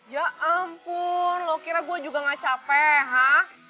ya ampun lo kira gua juga gak capek hah